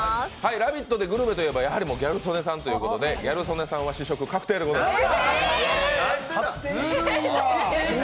「ラヴィット！」でグルメといえばギャル曽根さんということで、ギャル曽根さんは試食確定でございます。